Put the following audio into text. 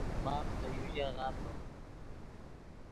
ماف دے یو ژاغہ ڤرومے